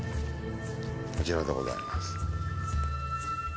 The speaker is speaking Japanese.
こちらでございます。